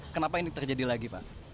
kenapa ini terjadi lagi pak